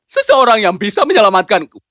seseorang yang bisa menyelamatkanku